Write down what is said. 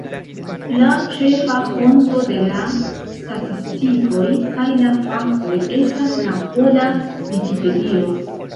La ĉefa fonto de la statistikoj kaj la faktoj estas la pola Vikipedio.